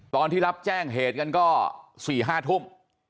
ตอนที่รับแจ้งเหตุก็๔๓๐๐น